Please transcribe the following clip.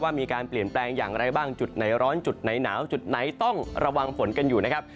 มีการเปลี่ยนแปลงอย่างไรบ้างจุดไหนร้อนจุดไหนหนาวจุดไหนต้องระวังฝนกันอยู่นะครับ